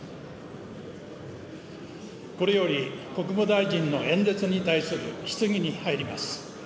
これより、国務大臣の演説に対する質疑に入ります。